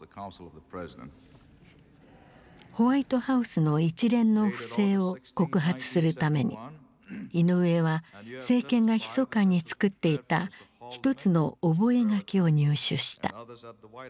ホワイトハウスの一連の不正を告発するためにイノウエは政権がひそかに作っていたひとつの覚書を入手した。